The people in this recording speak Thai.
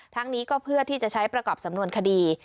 ทั้งนี้ก็เพื่อที่จะใช้ประกอบสำนวนคดี